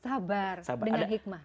sabar dengan hikmah